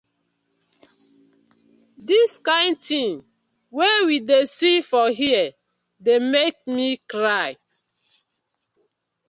Di kin tin wey we dey see for here dey mek mi cry.